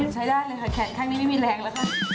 ใช้ได้เลยค่ะแขนข้างนี้ไม่มีแรงแล้วค่ะ